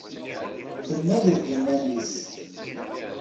Tenna deg yiman-is.